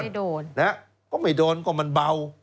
โดนนะฮะก็ไม่โดนก็มันเบา